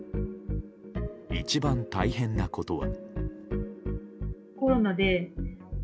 一番大変なことは。